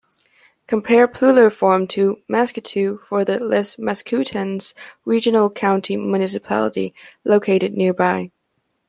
Compare plular form to "maskutew" for the Les Maskoutains Regional County Municipality located nearby.